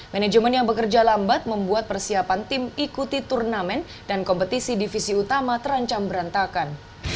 manajemen yang bekerja lambat membuat persiapan tim ikuti turnamen dan kompetisi divisi utama terancam berantakan